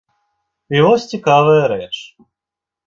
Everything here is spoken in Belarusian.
І вось цікавая рэч.